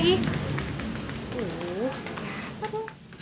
uh apa tuh